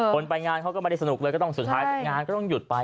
ไปงานเขาก็ไม่ได้สนุกเลยก็ต้องสุดท้ายงานก็ต้องหยุดไป